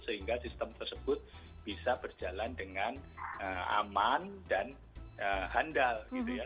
sehingga sistem tersebut bisa berjalan dengan aman dan handal gitu ya